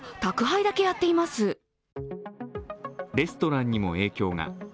レストランにも影響が。